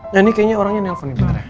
nah ini kayaknya orangnya nelfon nih bareng